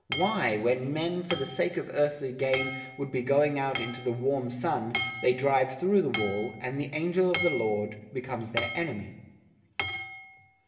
... Why, when men, for the Sake of Earthly Gain, would be going out into the Warm Sun, they drive Through the Wall, and the Angel of the Lord becomes their Enemy.